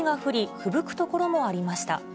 ふぶく所もありました。